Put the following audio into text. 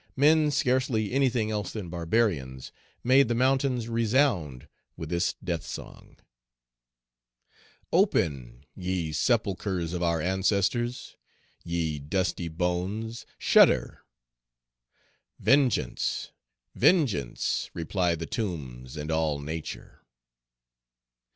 Men, scarcely anything else than barbarians, made the mountains resound with this death song: "Open, ye sepulchres of our ancestors; ye dusty bones, shudder; Vengeance! vengeance! reply the tombs and all nature."